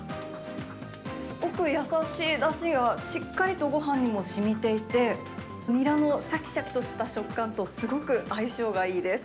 すごく優しいだしがしっかりとごはんにもしみていて、にらのしゃきしゃきとした食感と、すごく相性がいいです。